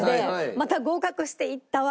また合格して行ったわけ。